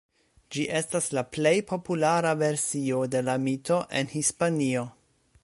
Ĝi estas la plej populara versio de la mito en Hispanio.